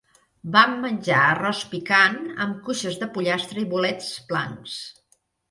Vam menjar arròs picant amb cuixes de pollastre i bolets blancs.